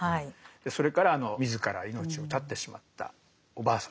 それから自ら命を絶ってしまったおばあさんですね。